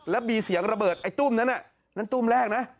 แล้วมีเสียงระเบิดไอ้ตุ้มนั้นน่ะนั่นตุ้มแรกนะ